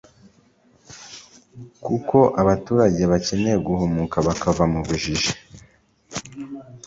kukoabaturage bakeneye guhumukabakava mubujiji